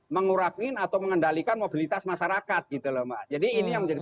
mengurangi atau mengendalikan mobilitas masyarakat gitu loh mbak jadi ini yang menjadi